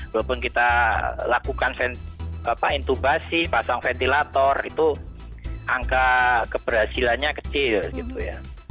walaupun kita lakukan intubasi pasang ventilator itu angka keberhasilannya kecil gitu ya